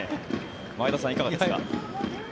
前田さん、いかがですか？